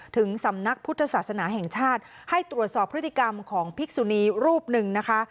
ถึงสำนักพุทธศาสนาแห่งชาติให้ตรวจสอบพฤติกรรมของภิกษุนีรูปหนึ่งนะคะ